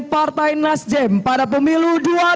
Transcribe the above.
partai nasdem pada pemilu